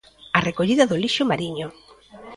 A recollida do lixo mariño.